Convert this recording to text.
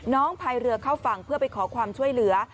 พายเรือเข้าฝั่งเพื่อไปขอความช่วยเหลือ